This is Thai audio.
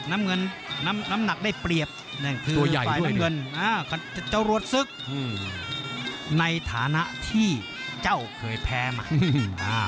น้ำหนักได้เปรียบตัวใหญ่ด้วยในฐานะที่เจ้าเคยแพ้มา